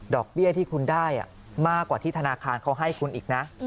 เบี้ยที่คุณได้มากกว่าที่ธนาคารเขาให้คุณอีกนะ